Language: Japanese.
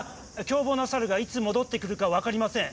凶暴なサルがいつ戻ってくるか分かりません。